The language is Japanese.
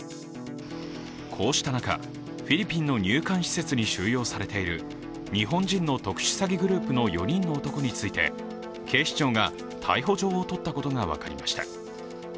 こうした中、フィリピンの入管施設に収容されている日本人の特殊詐欺グループの４人の男について、警視庁が逮捕状を取ったことが分かりました。